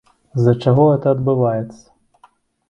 З-за чаго гэта адбываецца?